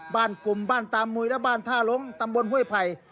บ้านกุมบ้านตามุยและบ้านทาหลงตามบนห้วยภัย